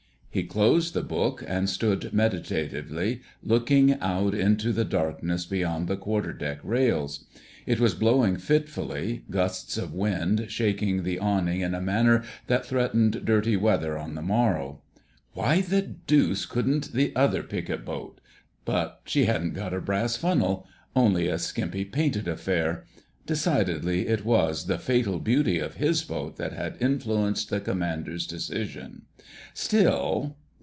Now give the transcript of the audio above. He closed the book and stood meditatively looking out into the darkness beyond the quarter deck rails. It was blowing fitfully, gusts of wind shaking the awning in a manner that threatened dirty weather on the morrow. "Why the deuce couldn't the other Picket boat...? But she hadn't got a brass funnel—only a skimpy painted affair. Decidedly it was the fatal beauty of his boat that had influenced the Commander's decision. Still..."